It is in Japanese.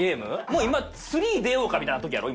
もう今『３』出ようかみたいな時やろ。